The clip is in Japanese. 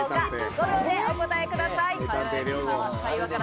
５秒でお答えください。